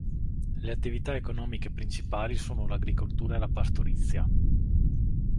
Le attività economiche principali sono l'agricoltura e la pastorizia.